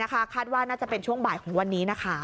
คาดว่าน่าจะเป็นช่วงบ่ายของวันนี้